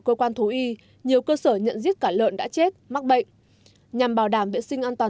cơ quan thú y nhiều cơ sở nhận giết cả lợn đã chết mắc bệnh nhằm bảo đảm vệ sinh an toàn